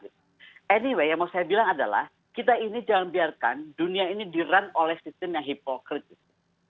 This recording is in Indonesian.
anyway yang mau saya bilang adalah kita ini jangan biarkan dunia ini diran oleh sistem yang hipokritik